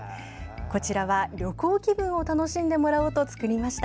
こちらは、旅行気分を楽しんでもらおうと作りました。